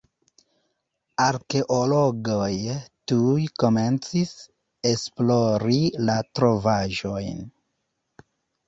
Arkeologoj tuj komencis esplori la trovaĵojn.